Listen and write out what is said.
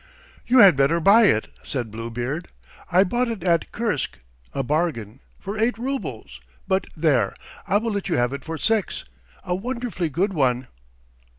"You had better buy it," said Bluebeard. "I bought it at Kursk, a bargain, for eight roubles, but, there! I will let you have it for six. ... A wonderfully good one!"